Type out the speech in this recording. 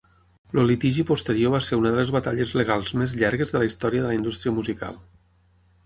El litigi posterior va ser una de les batalles legals més llargues de la història de la indústria musical.